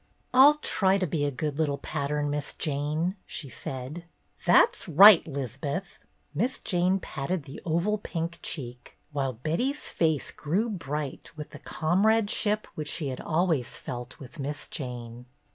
"I'll try to be a good little pattern. Miss Jane," she said. "That's right, 'Liz'beth." Miss Jane patted the oval pink cheek, while Betty's face grew bright with the comradeship which she had always felt with Miss Jane.